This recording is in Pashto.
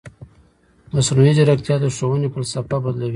مصنوعي ځیرکتیا د ښوونې فلسفه بدلوي.